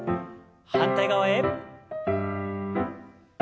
反対側へ。